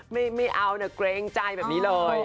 ไม่เอานะเกรงใจแบบนี้เลย